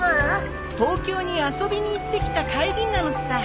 東京に遊びに行ってきた帰りなのさ。